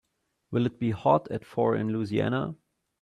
Will it be hot at four in Louisiana?